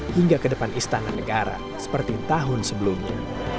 hingga ke depan istana negara seperti tahun sebelumnya